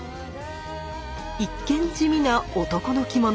一見地味な男の着物。